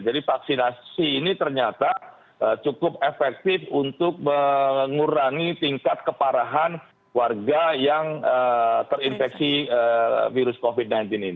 jadi vaksinasi ini ternyata cukup efektif untuk mengurangi tingkat keparahan warga yang terinfeksi virus covid sembilan belas